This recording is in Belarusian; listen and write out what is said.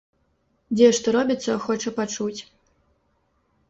Дзе што робіцца, хоча пачуць.